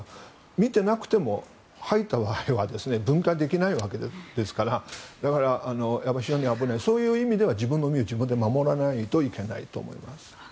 見ていなくても入った場合は弁解できないですから非常に危ないのでそういう意味では自分の身は自分で守らないといけないです。